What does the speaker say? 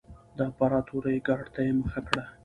د امپراتورۍ ګارډ ته یې مخه کړه